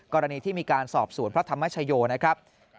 กรณีที่มีการสอบสวนพระธรรมชโยนะครับ